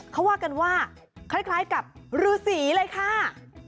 เขาว่ากันว่าคล้ายกับรือสีเลยค่ะ